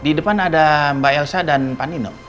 di depan ada mbak elsa dan pak nino